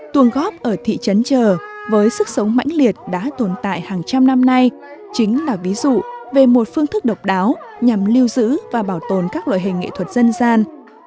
tuồng góp ở thị trấn chờ với sức sống mãnh liệt đã tồn tại hàng trăm năm nay chính là ví dụ về một phương thức độc đáo nhằm lưu giữ và bảo tồn các loại hình nghệ thuật dân gian